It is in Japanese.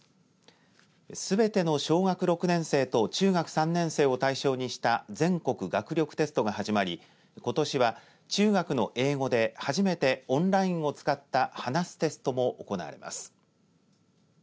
すべての小学６年生と中学３年生を対象にした全国学力テストが始まりことしは中学の英語で初めてオンラインを使った話すテストも行われます。